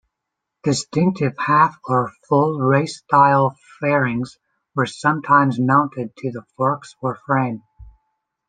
Distinctive half or full race-style fairings were sometimes mounted to the forks or frame.